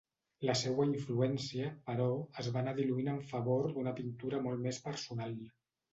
La seua influència, però, es va anar diluint en favor d'una pintura molt més personal.